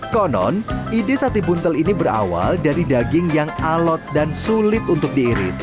konon ide sate buntel ini berawal dari daging yang alot dan sulit untuk diiris